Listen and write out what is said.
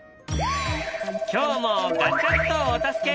今日もガチャっとお助け！